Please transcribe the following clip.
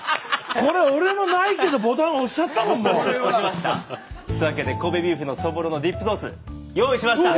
これ俺のないけどボタン押しちゃったもんもう！というわけで神戸ビーフのそぼろのディップソース用意しました！